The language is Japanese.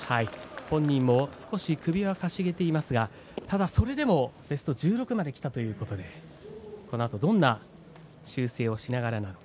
本人も少し首をかしげていますが、ただそれでもベスト１６まできたということでこのあとどんな修正をしながらなのか。